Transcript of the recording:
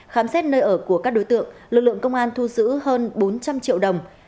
khám xét nơi ở của các đối tượng lực lượng công an thu giữ hơn bốn trăm linh triệu đồng